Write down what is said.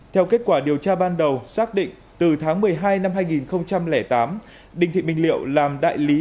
theo kết quả điều tra ban đầu xác định từ tháng một mươi hai năm hai nghìn tám đinh thị minh liệu làm đại lý